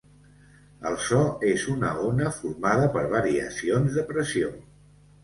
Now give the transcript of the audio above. El so és una ona formada per variacions de pressió.